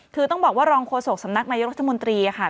คือต้องบอกว่ารองโฆษกสำนักนายกรัฐมนตรีค่ะ